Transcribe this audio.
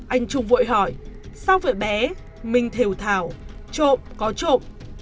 anh trùng vội hỏi sao vậy bé minh thều thào trộm có trộm